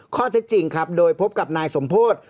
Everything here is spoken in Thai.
ข้อเท็จจริงครับโดยพบกับนายสมโพธิ